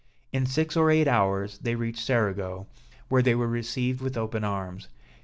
In six or eight hours, they reached Cerigo, where they were received with open arms.